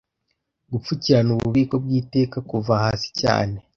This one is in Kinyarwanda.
gupfukirana ububiko bw'iteka kuva hasi cyane